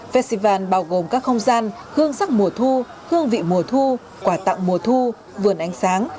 festival bao gồm các không gian hương sắc mùa thu hương vị mùa thu quả tặng mùa thu vườn ánh sáng